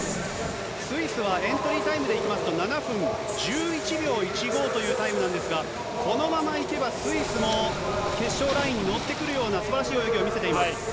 スイスはエントリータイムでいいますと、７分１１秒１５というタイムなんですが、このままいけば、スイスも決勝ラインに乗ってくるようなすばらしい泳ぎを見せています。